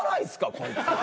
こいつ。